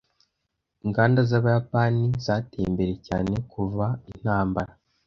Inganda z’Abayapani zateye imbere cyane kuva intambara.